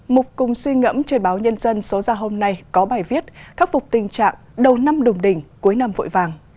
mục cùng suy ngẫm trên báo nhân dân số ra hôm nay có bài viết khắc phục tình trạng đầu năm đùm đỉnh cuối năm vội vàng